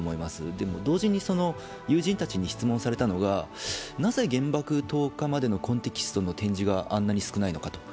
でも同時に友人たちに質問されたのが、なぜ原爆投下までのコンテキストがあんなに少ないのかと。